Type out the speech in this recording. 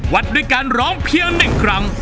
วัดด้วยการร้องเพียง๑ครั้ง